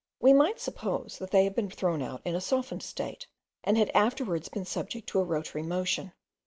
We might suppose that they had been thrown out in a softened state, and had afterwards been subject to a rotary motion.